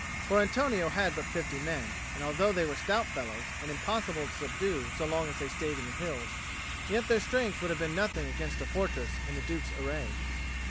For Antonio had but fifty men, and although they were stout fellows and impossible to subdue so long as they stayed in the hills, yet their strength would have been nothing against a fortress and the Duke's array.